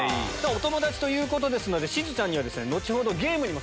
お友達ということですのでしずちゃんには。